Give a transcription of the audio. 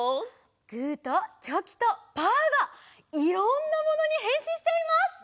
グーとチョキとパーがいろんなものにへんしんしちゃいます！